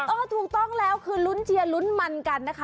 ถูกต้องแล้วคือลุ้นเชียร์ลุ้นมันกันนะคะ